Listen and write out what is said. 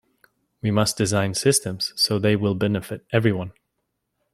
We must design systems so they will benefit everyone